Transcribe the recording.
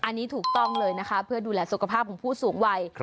อันนี้ถูกต้องเลยนะคะเพื่อดูแลสุขภาพของผู้สูงวัย